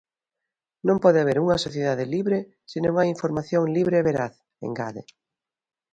"Non pode haber unha sociedade libre se non hai información libre e veraz", engade.